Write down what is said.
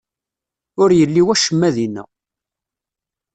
Ur yelli wacemma dinna.